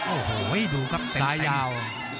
โอ้โหดูครับซ้ายยาว